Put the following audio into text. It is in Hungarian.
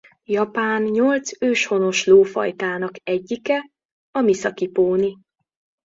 Japán nyolc őshonos lófajtának egyike a Miszaki póni.